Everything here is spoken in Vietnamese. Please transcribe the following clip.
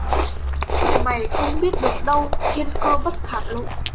Mày không biết được đâu thiên cơ bất khả lộ